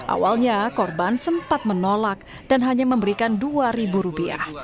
awalnya korban sempat menolak dan hanya memberikan dua ribu rupiah